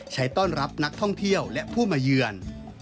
ต้อนรับนักท่องเที่ยวและผู้มาเยือน